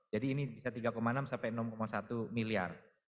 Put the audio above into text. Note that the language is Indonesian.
jadi ini bisa rp tiga enam rp enam satu miliar